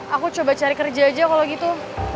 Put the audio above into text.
aku coba cari kerja aja kalau gitu